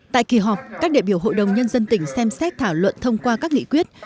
tại kỳ họp các đệ biểu hội đồng nhân dân tỉnh xem xét thảo luận thông qua các nghị quyết